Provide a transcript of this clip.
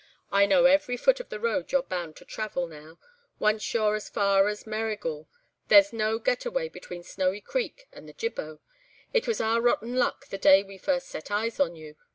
I know every foot of the road you're bound to travel now—once you're as far as Merrigal there's no get away between Snowy Creek and the Jibbo. It was our rotten luck the day we first set eyes on you.